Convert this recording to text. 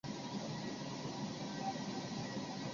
斯托克斯位移。